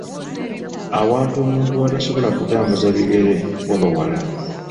Awantu omuntu w’atasobola kutambuza bigere waba wala.